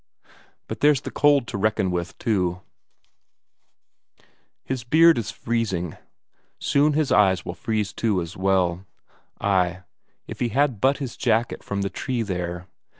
But there's the cold to reckon with too; his beard is freezing, soon his eyes will freeze too as well; ay, if he had but his jacket from the tree there